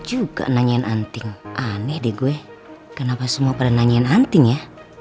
juga nanyain anting aneh deh gue kenapa semua pada nanyain anting ya